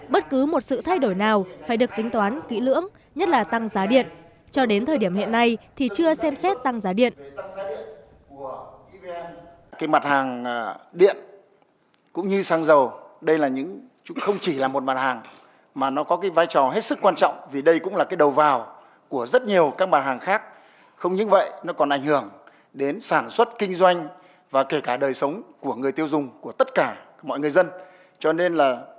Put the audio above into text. bất cứ một sự thay đổi nào phải được tính toán kỹ lưỡng nhất là tăng giá điện cho đến thời điểm hiện nay thì chưa xem xét tăng giá điện